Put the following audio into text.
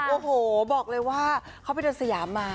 โอ้โหบอกเลยว่าเขาไปเดินสยามมา